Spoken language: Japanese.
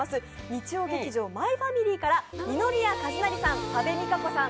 日曜劇場「マイファミリー」から二宮和也さん、多部未華子さん